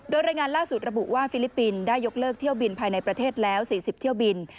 โดยรายงานล่าสุดระบุว่าฟิลิปปินส์ได้ยกเลิกเที่ยวบินภายในประเทศแล้ว๔๐เที่ยวบิน